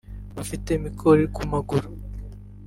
bafite imikori ku maguru